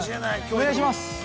◆お願いします！